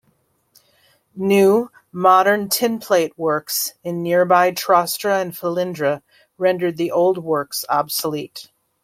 New, modern tinplate works in nearby Trostre and Felindre rendered the old works obsolete.